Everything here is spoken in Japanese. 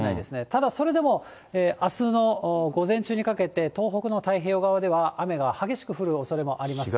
ただそれでも、あすの午前中にかけて、東北の太平洋側では雨が激しく降るおそれもあります。